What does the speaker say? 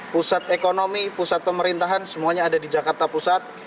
pusat ekonomi pusat pemerintahan semuanya ada di jakarta pusat